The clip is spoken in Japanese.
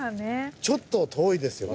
ちょっと遠いですよね。